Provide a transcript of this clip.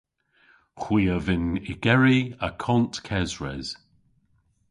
Hwi a vynn ygeri akont kesres.